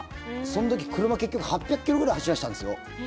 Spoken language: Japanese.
その時、車結局８００ｋｍぐらい走らせたんですよ。